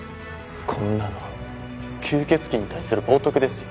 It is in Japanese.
こんなの吸血鬼に対する冒涜ですよ。